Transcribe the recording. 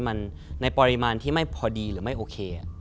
มันในปริมาณที่ไม่พอดีหรือไม่โอเค